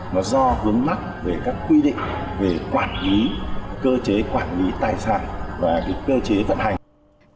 nó do vướng mắc về các quy định về quản lý cơ chế quản lý tài sản và cơ chế vận hành